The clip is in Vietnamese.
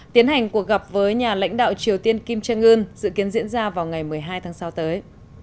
tiến hành cuộc gặp với nhà lãnh đạo triều tiên kim jong un dự kiến diễn ra vào ngày một mươi hai tháng sáu tới